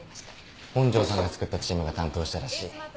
本庄さんがつくったチームが担当したらしい。